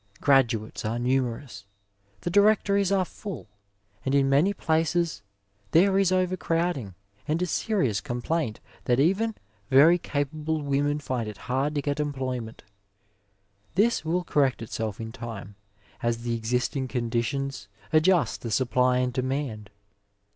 Graduates are numerous, the directories are full> and in many places there is over crowding, and a serious complaint that even very capable women find it hard to 163 Digitized by Google NURSE AND PATIENT get employment. This will correct itself in time, as tke existing conditions adjust the supply and demand.